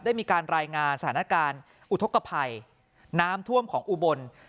ได้มีการรายงานสถานการณ์อุทธกภัยน้ำท่วมของอุบล